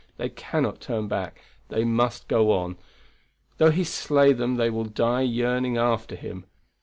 They cannot turn back. They must go on. Though He slay them they will die yearning after Him.